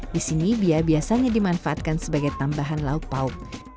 di sini bia biasanya dimanfaatkan sebagai tambahan lauk pauk